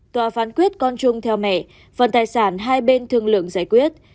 tòa phán quyết con chung theo mẹ phần tài sản hai bên thương lượng giải quyết